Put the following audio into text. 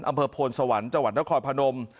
อำเภอโพนสวรรค์จนครพนม